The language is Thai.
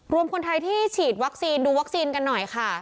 รวมคนไทยที่ฉีดวัคซีนดูวัคซีนกันหน่อยค่ะ